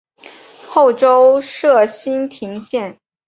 后周设莘亭县。